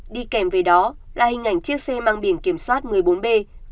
đi kèm về đó là hình ảnh chiếc xe mang biển kiểm soát một mươi bốn b bốn nghìn hai trăm bảy mươi tám